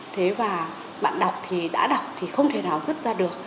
thế và bạn đọc thì đã đọc thì không thể nào dứt ra được